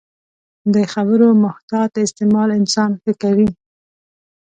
د خبرو محتاط استعمال انسان ښه کوي